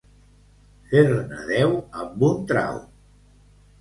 Fer-ne deu amb un trau.